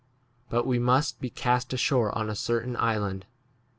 But we must be cast ashore on a certain island.